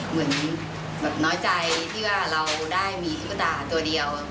เหมือนแบบน้อยใจที่ว่าเราได้มีตุ๊กตาตัวเดียว